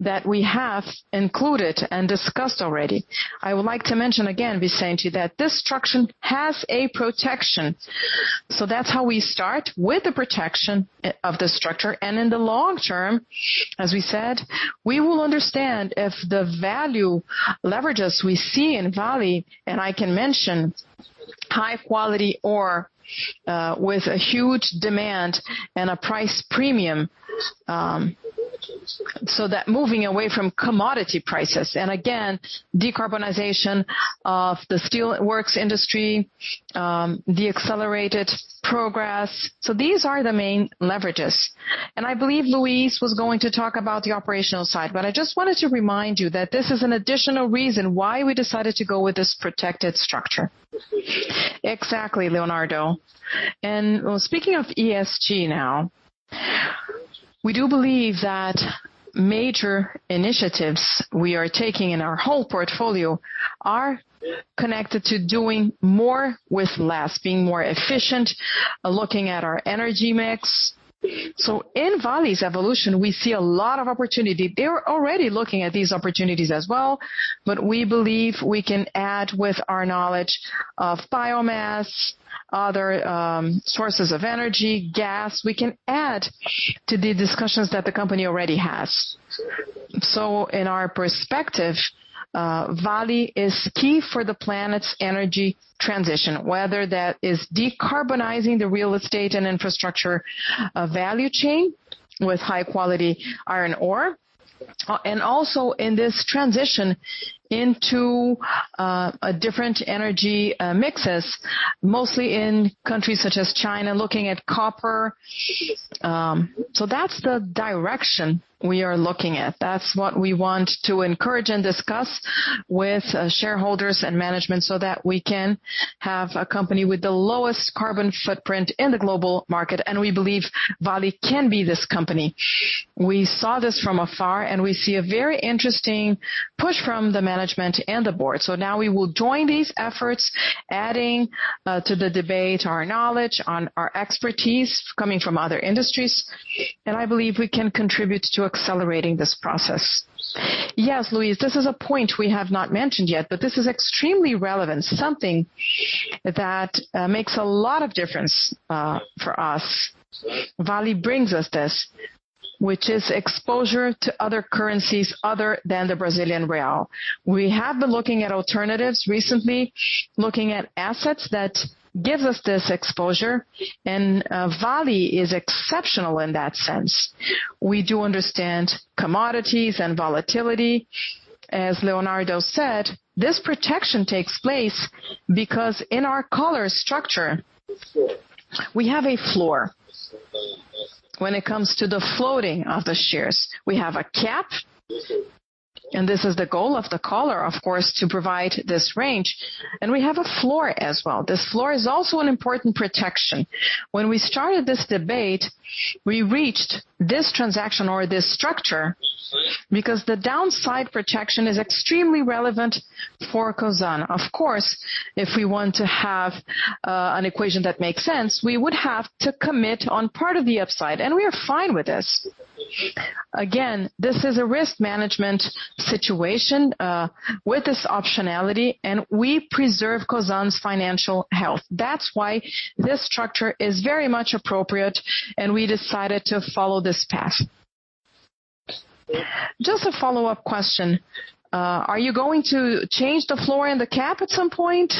that we have included and discussed already. I would like to mention again, Vicente, that this structure has a protection. That's how we start with the protection of the structure. In the long term, as we said, we will understand if the value levers we see in Vale, and I can mention high quality ore, with a huge demand and a price premium, so that moving away from commodity prices. In the steelworks industry, the accelerated progress. These are the main levers. I believe Luis was going to talk about the operational side, but I just wanted to remind you that this is an additional reason why we decided to go with this protected structure. Exactly, Leonardo. Speaking of ESG now, we do believe that major initiatives we are taking in our whole portfolio are connected to doing more with less, being more efficient, looking at our energy mix. In Vale's evolution, we see a lot of opportunity. They're already looking at these opportunities as well, but we believe we can add with our knowledge of biomass, other, sources of energy, gas. We can add to the discussions that the company already has. In our perspective, Vale is key for the planet's energy transition, whether that is decarbonizing the real estate and infrastructure value chain with high quality iron ore, and also in this transition into a different energy mixes, mostly in countries such as China, looking at copper. That's the direction we are looking at. That's what we want to encourage and discuss with shareholders and management so that we can have a company with the lowest carbon footprint in the global market, and we believe Vale can be this company. We saw this from afar, and we see a very interesting push from the management and the board. Now we will join these efforts, adding to the debate our knowledge on our expertise coming from other industries, and I believe we can contribute to accelerating this process. Yes, Luis, this is a point we have not mentioned yet, but this is extremely relevant, something that makes a lot of difference for us. Vale brings us this, which is exposure to other currencies other than the Brazilian real. We have been looking at alternatives recently, looking at assets that gives us this exposure. Vale is exceptional in that sense. We do understand commodities and volatility. As Leonardo said, this protection takes place because in our collar structure, we have a floor when it comes to the floating of the shares. We have a cap, and this is the goal of the collar, of course, to provide this range. We have a floor as well. This floor is also an important protection. When we started this debate, we reached this transaction or this structure because the downside protection is extremely relevant for Cosan. Of course, if we want to have an equation that makes sense, we would have to commit on part of the upside, and we are fine with this. Again, this is a risk management situation with this optionality, and we preserve Cosan's financial health. That's why this structure is very much appropriate, and we decided to follow this path. Just a follow-up question. Are you going to change the floor and the cap at some point,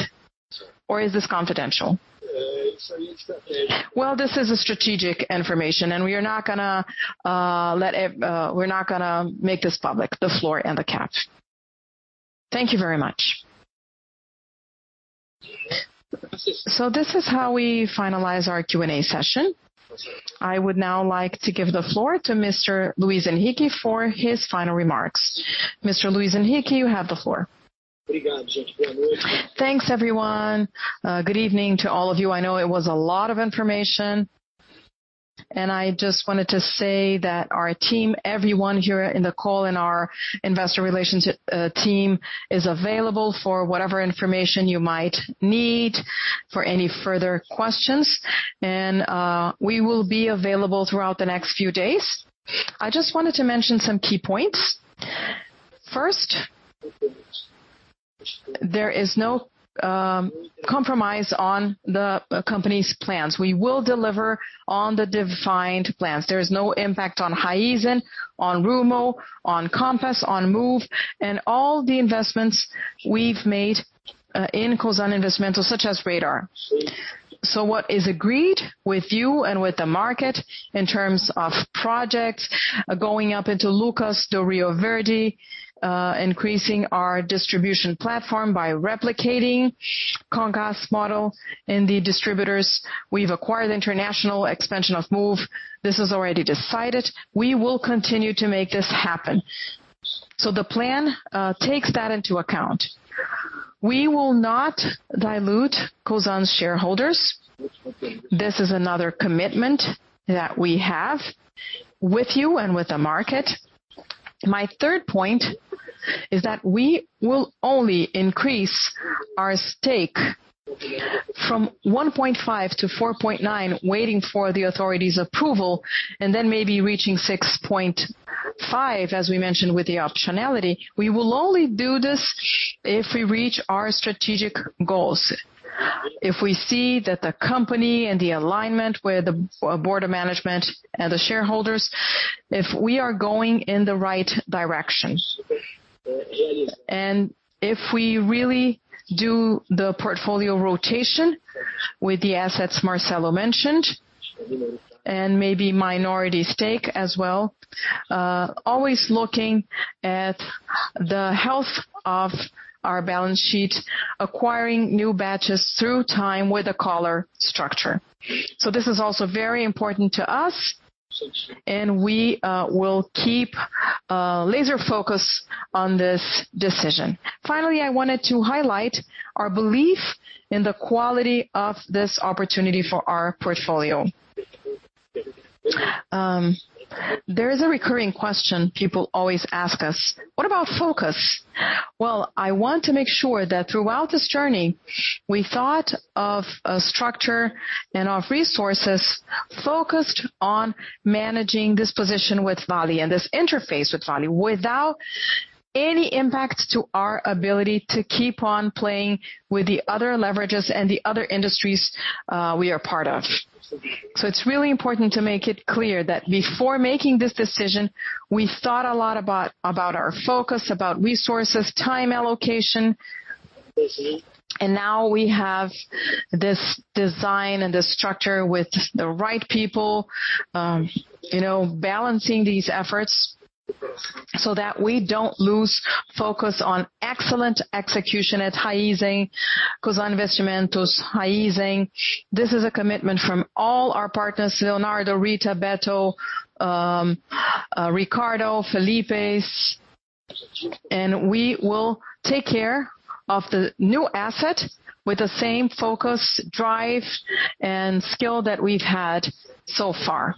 or is this confidential? Well, this is a strategic information, and we are not gonna let it. We're not gonna make this public, the floor and the cap. Thank you very much. This is how we finalize our Q&A session. I would now like to give the floor to Mr. Luis Henrique for his final remarks. Mr. Luis Henrique, you have the floor. Thanks, everyone. Good evening to all of you. I know it was a lot of information, and I just wanted to say that our team, everyone here in the call in our investor relations team, is available for whatever information you might need for any further questions. We will be available throughout the next few days. I just wanted to mention some key points. First, there is no compromise on the company's plans. We will deliver on the defined plans. There is no impact on Raízen, on Rumo, on Compass, on Moove, and all the investments we've made in Cosan Investimentos, such as Radar. What is agreed with you and with the market in terms of projects going up into Lucas do Rio Verde, increasing our distribution platform by replicating Comgás model in the distributors. We've acquired international expansion of Moove. This is already decided. We will continue to make this happen. The plan takes that into account. We will not dilute Cosan's shareholders. This is another commitment that we have with you and with the market. My third point is that we will only increase our stake from 1.5%-4.9%, waiting for the authorities approval, and then maybe reaching 6.5%, as we mentioned, with the optionality. We will only do this if we reach our strategic goals. If we see that the company and the alignment with the board of management and the shareholders, if we are going in the right direction. If we really do the portfolio rotation with the assets Marcelo mentioned and maybe minority stake as well. Always looking at the health of our balance sheet, acquiring new batches through time with a collar structure. This is also very important to us and we will keep laser focus on this decision. Finally, I wanted to highlight our belief in the quality of this opportunity for our portfolio. There is a recurring question people always ask us. What about focus? Well, I want to make sure that throughout this journey, we thought of a structure and of resources focused on managing this position with Vale and this interface with Vale, without any impact to our ability to keep on playing with the other levers and the other industries we are part of. It's really important to make it clear that before making this decision, we thought a lot about our focus, about resources, time allocation. Now we have this design and this structure with the right people, you know, balancing these efforts so that we don't lose focus on excellent execution at Raízen, Cosan Investimentos, Raízen. This is a commitment from all our partners, Leonardo, Rita, Beto, Ricardo, Felipe. We will take care of the new asset with the same focus, drive and skill that we've had so far.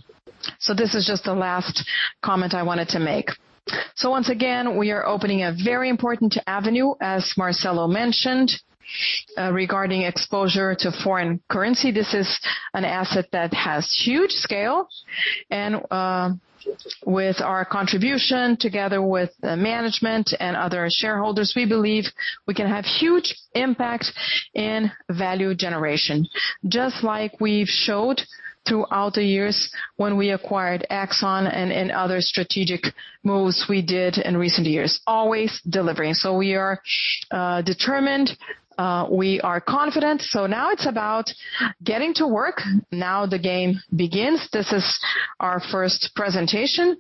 This is just the last comment I wanted to make. Once again, we are opening a very important avenue, as Marcelo mentioned, regarding exposure to foreign currency. This is an asset that has huge scale. With our contribution together with the management and other shareholders, we believe we can have huge impact in value generation. Just like we've showed throughout the years when we acquired Exxon and in other strategic moves we did in recent years, always delivering. We are determined. We are confident. Now it's about getting to work. Now the game begins. This is our first presentation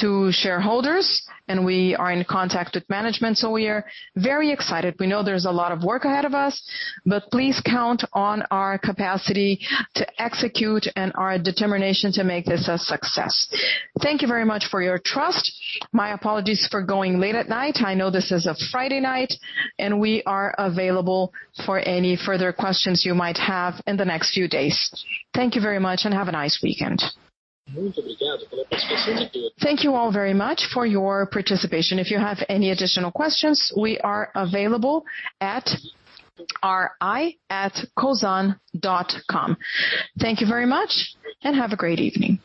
to shareholders, and we are in contact with management, so we are very excited. We know there's a lot of work ahead of us, but please count on our capacity to execute and our determination to make this a success. Thank you very much for your trust. My apologies for going late at night. I know this is a Friday night and we are available for any further questions you might have in the next few days. Thank you very much and have a nice weekend. Thank you all very much for your participation. If you have any additional questions, we are available at ri@cosan.com. Thank you very much and have a great evening.